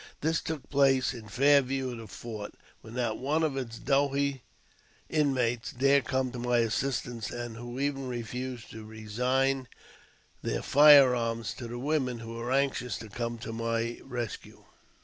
This took place in fair view of the fort, when not one of its doughty inmates dare come to my assistance, and who even refused to resign their fire arms to the women, who were anxious to come to my rescue.